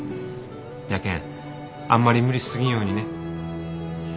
やけんあんまり無理し過ぎんようにね。